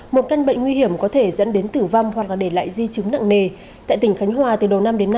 một căn bệnh nguy hiểm có thể dẫn đến tử vong hoặc là để lại di chứng nặng nề